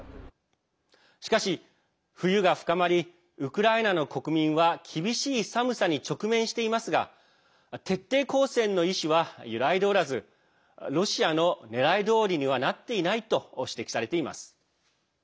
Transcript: しかし、冬が深まりウクライナの国民は厳しい寒さに直面していますが徹底抗戦の意志は揺らいでおらずロシアのねらいどおりにはなっていないと指摘されています。